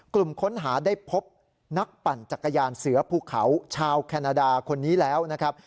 กลุ่มค้นหาได้พบนักปั่นจักรยานเสือภูเขาชาวแคนาดาคนนี้แล้วนะครับ